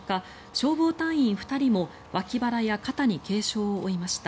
消防隊員２人も脇腹や肩に軽傷を負いました。